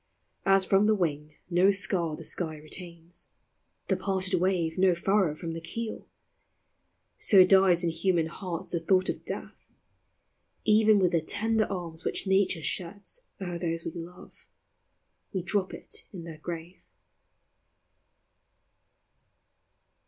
As from the wing no scar the sky retains, The parted wave no furrow from the keel, So dies in human hearts the thought of death : Even with the tender tears which Nature sheds O'er those we love, we drop it in their grave.